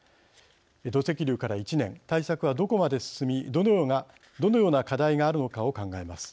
土石流から１年対策はどこまで進みどのような課題があるのかを考えます。